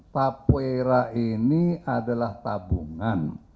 tapi era ini adalah tabungan